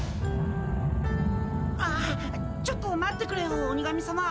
ああちょっと待ってくれよ鬼神さま。